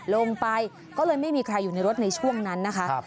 ลงไปก็เลยไม่มีใครอยู่ในรถในช่วงนั้นนะคะ